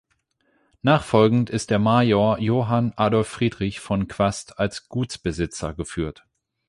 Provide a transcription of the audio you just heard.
Nachfolgend ist der Major Johann Adolf Friedrich von Quast als Gutsbesitzer geführt.